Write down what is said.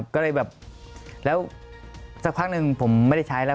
ก็เลยแบบแล้วสักพักหนึ่งผมไม่ได้ใช้แล้ว